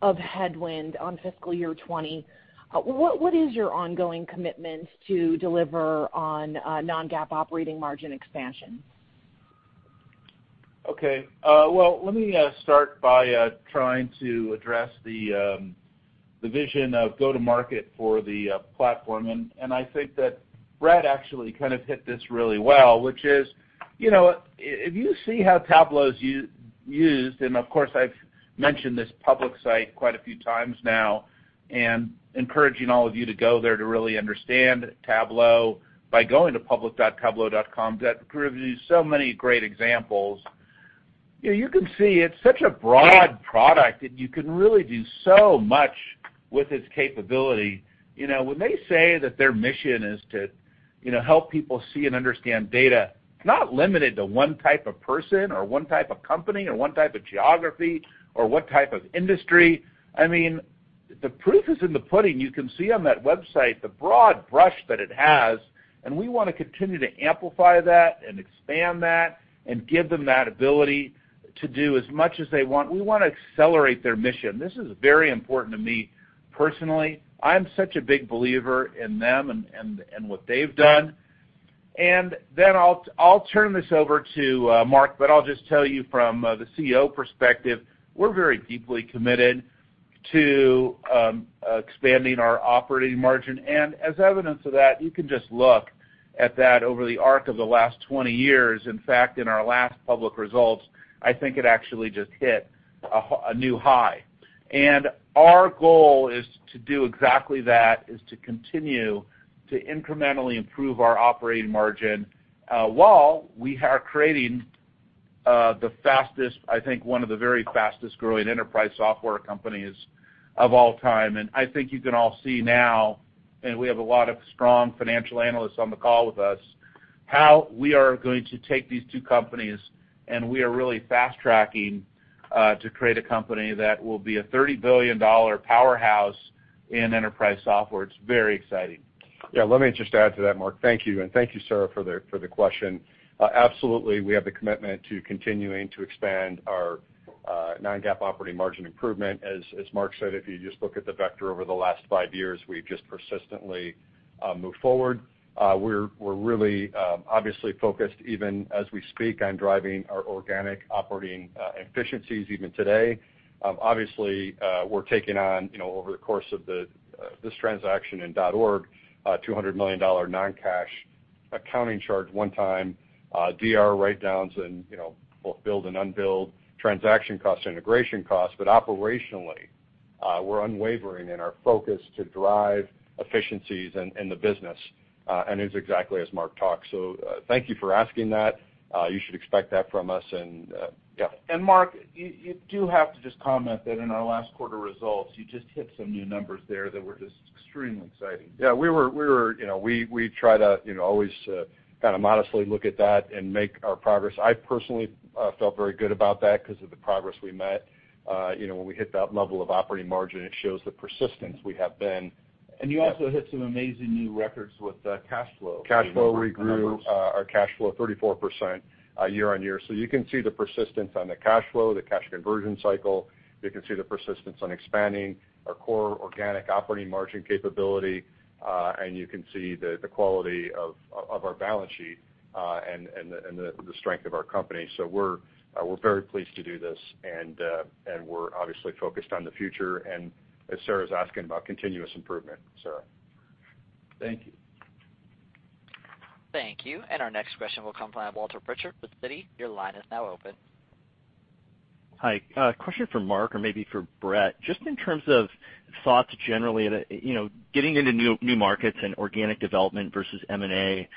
of headwind on FY 2020. What is your ongoing commitment to deliver on non-GAAP operating margin expansion? Okay. Well, let me start by trying to address the vision of go-to-market for the platform. I think that Bret actually kind of hit this really well, which is, if you see how Tableau is used, and of course, I've mentioned this public site quite a few times now, and encouraging all of you to go there to really understand Tableau by going to public.tableau.com, that gives you so many great examples. You can see it's such a broad product, and you can really do so much with its capability. When they say that their mission is to help people see and understand data, it's not limited to one type of person or one type of company or one type of geography or one type of industry. I mean, the proof is in the pudding. You can see on that website the broad brush that it has. We want to continue to amplify that and expand that and give them that ability to do as much as they want. We want to accelerate their mission. This is very important to me personally. I'm such a big believer in them and what they've done. I'll turn this over to Marc, but I'll just tell you from the CEO perspective, we're very deeply committed to expanding our operating margin. As evidence of that, you can just look at that over the arc of the last 20 years. In fact, in our last public results, I think it actually just hit a new high. Our goal is to do exactly that, is to continue to incrementally improve our operating margin, while we are creating the fastest, I think one of the very fastest-growing enterprise software companies of all time. I think you can all see now, and we have a lot of strong financial analysts on the call with us, how we are going to take these two companies, and we are really fast-tracking to create a company that will be a $30 billion powerhouse in enterprise software. It's very exciting. Let me just add to that, Marc. Thank you, and thank you, Sarah, for the question. Absolutely, we have the commitment to continuing to expand our non-GAAP operating margin improvement. As Marc said, if you just look at the vector over the last five years, we've just persistently moved forward. We're really obviously focused, even as we speak, on driving our organic operating efficiencies even today. Obviously, we're taking on, over the course of this transaction in Salesforce.org, a $200 million non-cash accounting charge one time, deferred revenue write-downs in both billed and unbilled transaction costs, integration costs. Operationally, we're unwavering in our focus to drive efficiencies in the business, and it's exactly as Marc talked. Thank you for asking that. You should expect that from us. Marc, you do have to just comment that in our last quarter results, you just hit some new numbers there that were just extremely exciting. Yeah, we try to always kind of modestly look at that and make our progress. I personally felt very good about that because of the progress we met. When we hit that level of operating margin, it shows the persistence we have been. You also hit some amazing new records with cash flow. Cash flow, we grew our cash flow 34% year-on-year. You can see the persistence on the cash flow, the cash conversion cycle. You can see the persistence on expanding our core organic operating margin capability, and you can see the quality of our balance sheet, and the strength of our company. We're very pleased to do this, and we're obviously focused on the future and, as Sarah's asking about, continuous improvement, Sarah. Thank you. Thank you. Our next question will come from Walter Pritchard with Citi. Your line is now open. Hi. A question for Marc or maybe for Bret, just in terms of thoughts generally, getting into new markets and organic development versus M&A. I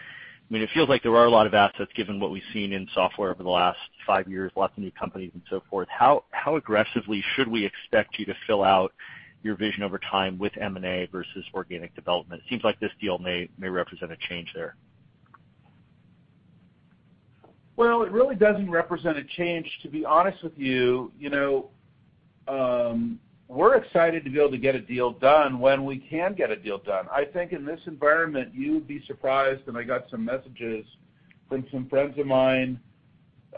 mean, it feels like there are a lot of assets, given what we've seen in software over the last five years, lots of new companies and so forth. How aggressively should we expect you to fill out your vision over time with M&A versus organic development? It seems like this deal may represent a change there. Well, it really doesn't represent a change, to be honest with you. We're excited to be able to get a deal done when we can get a deal done. I think in this environment, you'd be surprised, and I got some messages from some friends of mine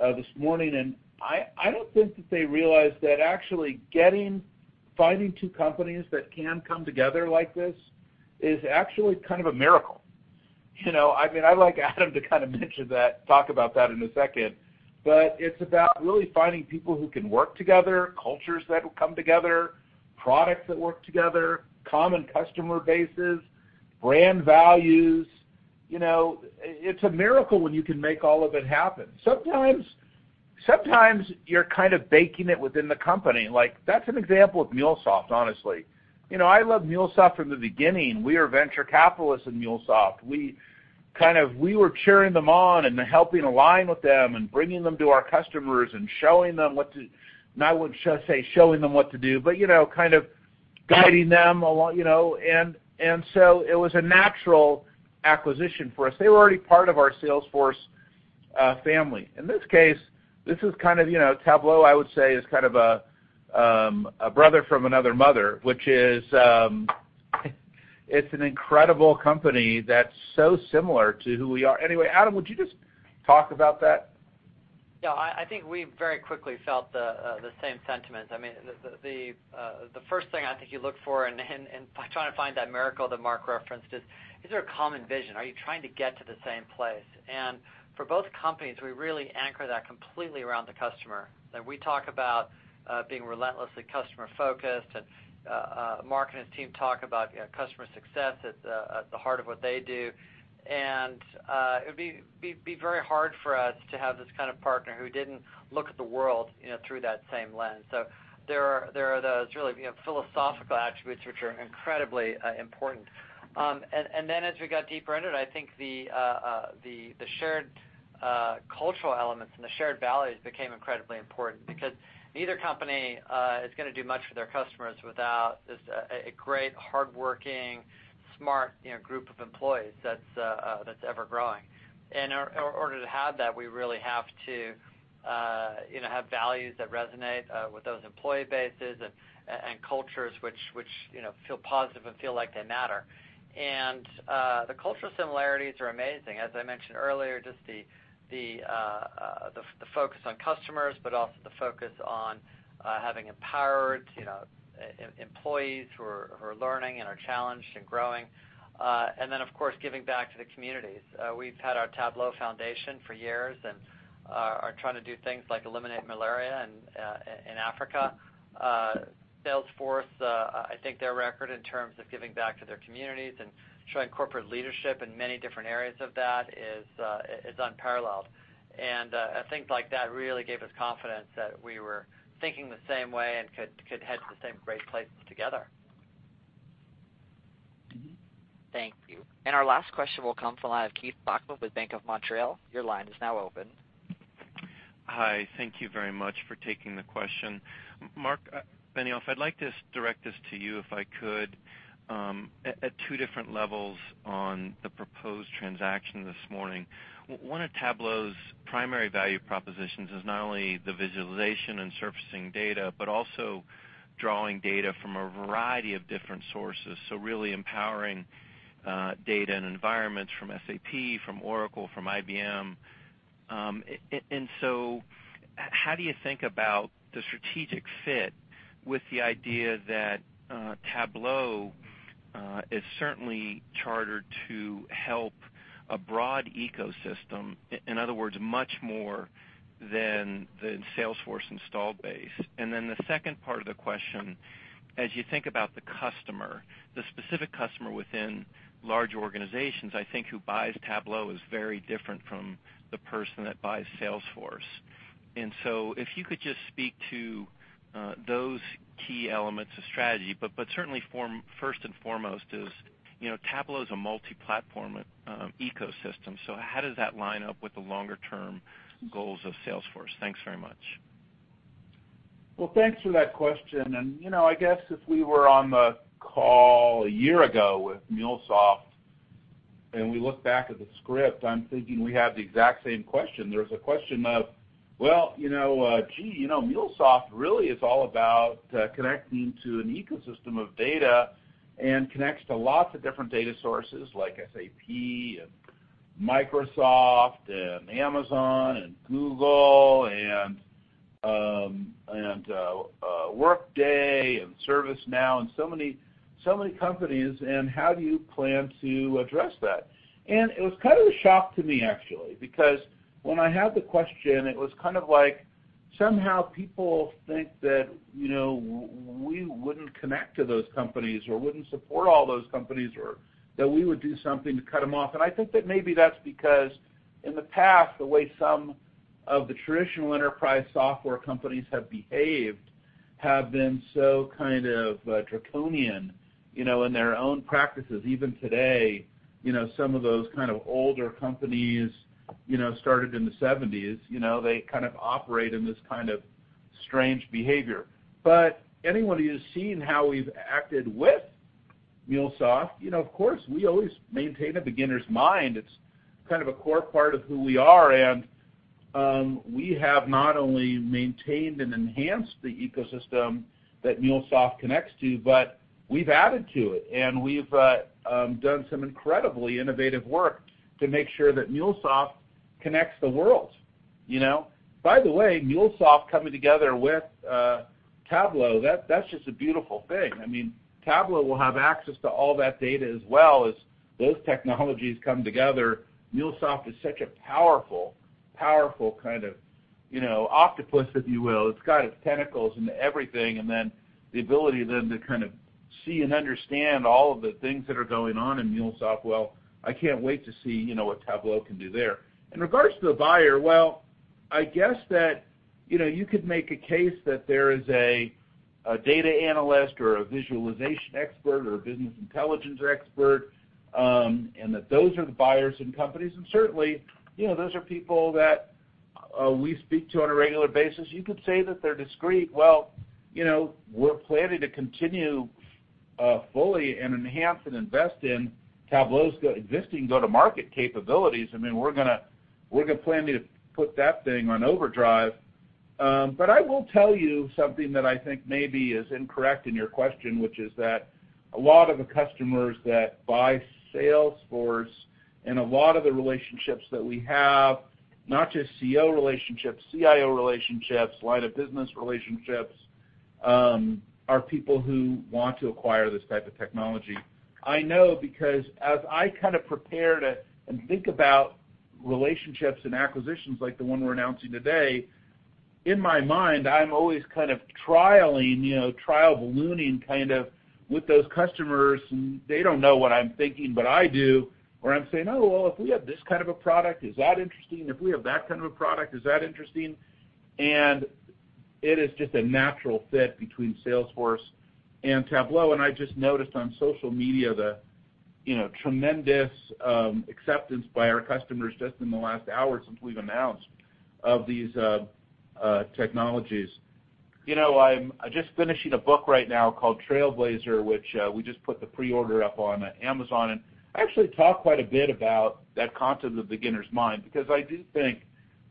this morning, and I don't think that they realize that actually getting, finding two companies that can come together like this is actually kind of a miracle. I'd like Adam to kind of mention that, talk about that in a second. It's about really finding people who can work together, cultures that will come together, products that work together, common customer bases, brand values. It's a miracle when you can make all of it happen. Sometimes you're kind of baking it within the company. Like, that's an example of MuleSoft, honestly. I loved MuleSoft from the beginning. We were venture capitalists in MuleSoft. We were cheering them on and helping align with them and bringing them to our customers and I wouldn't say showing them what to do, but kind of guiding them along. So it was a natural acquisition for us. They were already part of our Salesforce family. In this case, this is kind of, Tableau, I would say, is kind of a brother from another mother, which is, it's an incredible company that's so similar to who we are. Anyway, Adam, would you just talk about that? Yeah, I think we very quickly felt the same sentiment. I mean, the first thing I think you look for in trying to find that miracle that Marc referenced is there a common vision? Are you trying to get to the same place? For both companies, we really anchor that completely around the customer. We talk about being relentlessly customer-focused, and Marc and his team talk about customer success at the heart of what they do. It'd be very hard for us to have this kind of partner who didn't look at the world through that same lens. There are those really philosophical attributes, which are incredibly important. As we got deeper into it, I think the shared cultural elements and the shared values became incredibly important, because neither company is going to do much for their customers without a great, hardworking, smart group of employees that's ever-growing. In order to have that, we really have to have values that resonate with those employee bases and cultures which feel positive and feel like they matter. The cultural similarities are amazing. As I mentioned earlier, just the focus on customers, but also the focus on having empowered employees who are learning and are challenged and growing. Of course, giving back to the communities. We've had our Tableau Foundation for years and are trying to do things like eliminate malaria in Africa. Salesforce, I think their record in terms of giving back to their communities and showing corporate leadership in many different areas of that is unparalleled. Things like that really gave us confidence that we were thinking the same way and could head to the same great places together. Thank you. Our last question will come from the line of Keith Bachman with Bank of Montreal. Your line is now open. Hi. Thank you very much for taking the question. Marc Benioff, I'd like to direct this to you, if I could, at two different levels on the proposed transaction this morning. One of Tableau's primary value propositions is not only the visualization and surfacing data, but also drawing data from a variety of different sources, so really empowering data and environments from SAP, from Oracle, from IBM. How do you think about the strategic fit with the idea that Tableau is certainly chartered to help a broad ecosystem, in other words, much more than Salesforce installed base? The second part of the question, as you think about the customer, the specific customer within large organizations, I think who buys Tableau is very different from the person that buys Salesforce. If you could just speak to those key elements of strategy, but certainly first and foremost is, Tableau is a multi-platform ecosystem. How does that line up with the longer-term goals of Salesforce? Thanks very much. Well, thanks for that question. I guess if we were on the call a year ago with MuleSoft and we look back at the script, I'm thinking we have the exact same question. There's a question of, well, gee, MuleSoft really is all about connecting to an ecosystem of data and connects to lots of different data sources like SAP and Microsoft and Amazon and Google and Workday and ServiceNow and so many companies, how do you plan to address that? It was kind of a shock to me, actually, because when I had the question, it was kind of like somehow people think that we wouldn't connect to those companies or wouldn't support all those companies, or that we would do something to cut them off. I think that maybe that's because in the past, the way some of the traditional enterprise software companies have behaved have been so kind of draconian in their own practices. Even today, some of those kind of older companies started in the '70s. They kind of operate in this kind of strange behavior. Anyone who's seen how we've acted with MuleSoft, of course, we always maintain a beginner's mind. It's kind of a core part of who we are, and we have not only maintained and enhanced the ecosystem that MuleSoft connects to, but we've added to it, and we've done some incredibly innovative work to make sure that MuleSoft connects the world. By the way, MuleSoft coming together with Tableau, that's just a beautiful thing. I mean, Tableau will have access to all that data as well, as those technologies come together. MuleSoft is such a powerful kind of octopus, if you will. It's got its tentacles into everything, then the ability then to kind of see and understand all of the things that are going on in MuleSoft, well, I can't wait to see what Tableau can do there. In regards to the buyer, well, I guess that you could make a case that there is a data analyst or a visualization expert or a business intelligence expert, and that those are the buyers in companies. Certainly, those are people that we speak to on a regular basis. You could say that they're discreet. Well, we're planning to continue fully and enhance and invest in Tableau's existing go-to-market capabilities. I mean, we're going to plan to put that thing on overdrive. I will tell you something that I think maybe is incorrect in your question, which is that a lot of the customers that buy Salesforce and a lot of the relationships that we have, not just CEO relationships, CIO relationships, line of business relationships Are people who want to acquire this type of technology. I know because as I prepared and think about relationships and acquisitions like the one we're announcing today, in my mind, I'm always trialing, trial ballooning kind of with those customers, and they don't know what I'm thinking, but I do, where I'm saying, "Oh, well, if we have this kind of a product, is that interesting? If we have that kind of a product, is that interesting?" It is just a natural fit between Salesforce and Tableau, and I just noticed on social media the tremendous acceptance by our customers just in the last hour since we've announced of these technologies. I'm just finishing a book right now called "Trailblazer," which we just put the pre-order up on Amazon, I actually talk quite a bit about that concept of beginner's mind, because I do think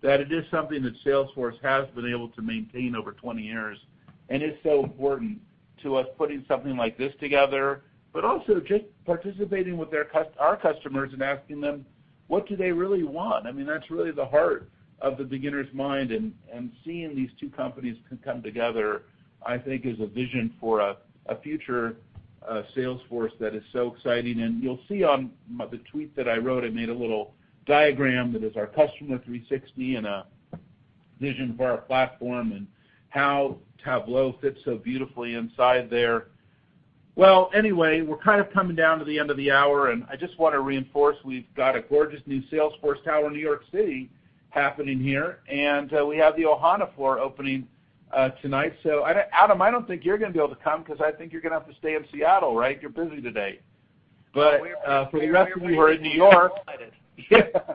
that it is something that Salesforce has been able to maintain over 20 years, and it's so important to us putting something like this together, but also just participating with our customers and asking them, what do they really want? That's really the heart of the beginner's mind, and seeing these two companies come together, I think is a vision for a future Salesforce that is so exciting. You'll see on the tweet that I wrote, I made a little diagram that is our Customer 360 and a vision for our platform, and how Tableau fits so beautifully inside there. Anyway, we're coming down to the end of the hour. I just want to reinforce, we've got a gorgeous new Salesforce Tower in New York City happening here. We have the Ohana floor opening tonight. Adam, I don't think you're going to be able to come because I think you're going to have to stay in Seattle, right? You're busy today. For the rest of you who are in New York- We're excited. Yeah.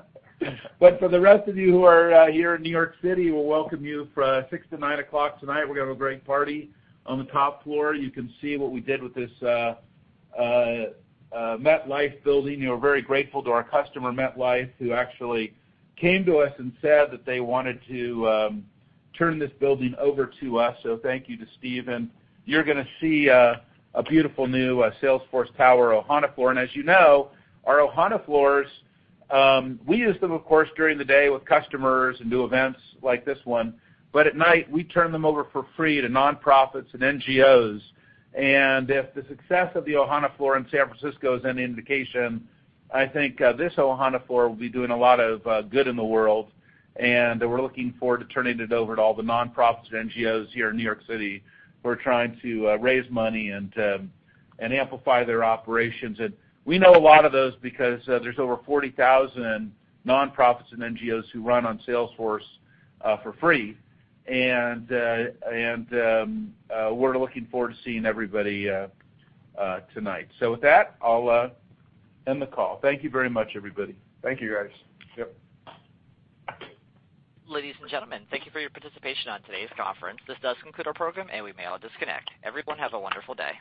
For the rest of you who are here in New York City, we'll welcome you from 6:00 P.M. to 9:00 P.M. tonight. We're going to have a great party on the top floor. You can see what we did with this MetLife Building. We're very grateful to our customer, MetLife, who actually came to us and said that they wanted to turn this building over to us. Thank you to Steve. You're going to see a beautiful new Salesforce Tower Ohana floor. As you know, our Ohana floors, we use them, of course, during the day with customers and do events like this one. At night, we turn them over for free to nonprofits and NGOs. If the success of the Ohana floor in San Francisco is any indication, I think this Ohana floor will be doing a lot of good in the world. We're looking forward to turning it over to all the nonprofits and NGOs here in New York City who are trying to raise money and amplify their operations. We know a lot of those because there's over 40,000 nonprofits and NGOs who run on Salesforce for free. We're looking forward to seeing everybody tonight. With that, I'll end the call. Thank you very much, everybody. Thank you, guys. Yep. Ladies and gentlemen, thank you for your participation on today's conference. This does conclude our program, and we may all disconnect. Everyone, have a wonderful day.